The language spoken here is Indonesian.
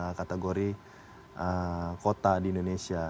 e katagori kota di indonesia